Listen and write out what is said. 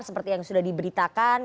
seperti yang sudah diberitakan